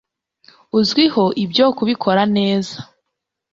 azwiho ibyo kubikora neza